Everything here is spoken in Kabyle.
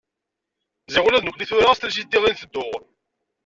Ziɣ ula d nekni tura s trisiti i nteddu.